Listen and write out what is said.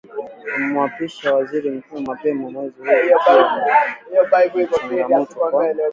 kumwapisha Waziri Mkuu mapema mwezi huu ikiwa ni changamoto kwa